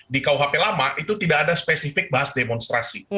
di kuhp lama itu tidak ada spesifik bahas demonstrasi